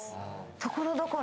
ところどころ。